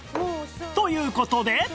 という事で